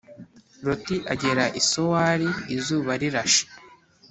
Loti agera i Sowari izuba rirashe